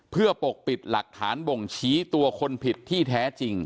เพื่อปกปิดหลักฐานบ่งชี้ตัวคนผิดที่แท้จริง